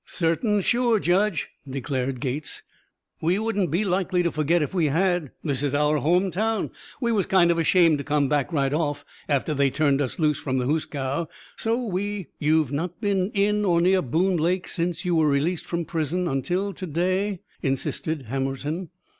"Certain sure, Judge!" declared Gates. "We wouldn't be likely to forget if we had. This is our home town. We was kind of ashamed to come back, right off, after they turned us loose from the hoosgow. So we " "You have not been in or near Boone Lake since you were released from prison until to day?" insisted Hammerton.